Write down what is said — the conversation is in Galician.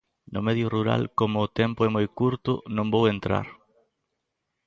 No medio rural, como o tempo é moi curto, non vou entrar.